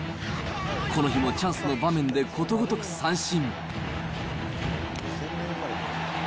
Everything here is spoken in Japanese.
この日もチャンスの場面で、ことごとく三振。